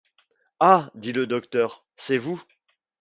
Ah ! dit le docteur, c'est vous !